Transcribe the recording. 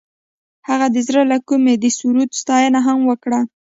هغې د زړه له کومې د سرود ستاینه هم وکړه.